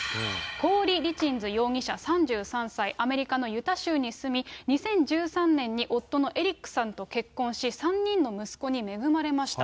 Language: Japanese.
コーリ・リチンズ容疑者３３歳、アメリカのユタ州に住み、２０１３年に夫のエリックさんと結婚し、３人の息子に恵まれました。